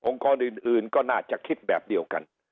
กรอื่นก็น่าจะคิดแบบเดียวกัน